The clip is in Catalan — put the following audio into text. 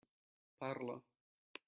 Parla.